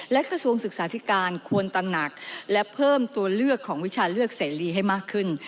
และกระทรวงศึกษาธิการควรตำหนักและเพิ่มตัวเลือกของวิชาเลือกเสรีให้มากขึ้น